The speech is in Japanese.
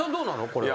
これ。